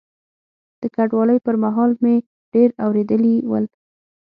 د کډوالۍ پر مهال مې ډېر اورېدلي ول.